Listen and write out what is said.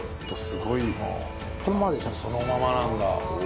そのままなんだ。